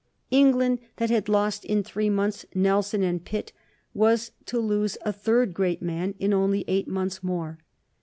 England, that had lost in three months Nelson and Pitt, was to lose a third great man in only eight months more.